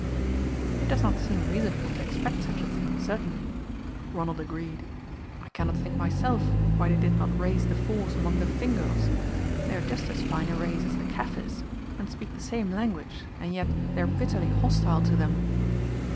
"It does not seem reasonable to expect such a thing, certainly," Ronald agreed. "I cannot think myself why they did not raise the force among the Fingoes. They are just as fine a race as the Kaffirs, and speak the same language, and yet they are bitterly hostile to them."